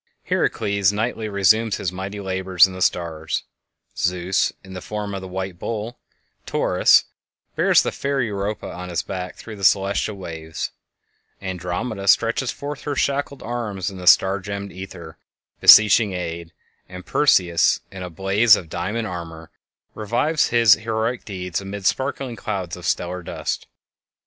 Herakles nightly resumes his mighty labors in the stars; Zeus, in the form of the white "Bull," Taurus, bears the fair Europa on his back through the celestial waves; Andromeda stretches forth her shackled arms in the star gemmed ether, beseeching aid; and Perseus, in a blaze of diamond armor, revives his heroic deeds amid sparkling clouds of stellar dust.